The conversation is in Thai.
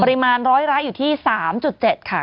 ปริมาณร้อยละอยู่ที่๓๗ค่ะอ่า